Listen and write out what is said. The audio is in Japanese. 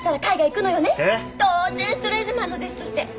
当然シュトレーゼマンの弟子として。